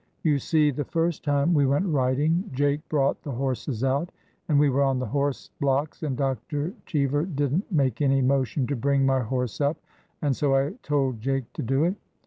You see, the first time we went riding, Jake brought the horses out, and we were on the horse blocks, and Dr. Cheever did n't make any motion to bring my horse up, and so I told Jake to do it.